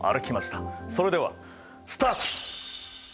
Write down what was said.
それではスタート！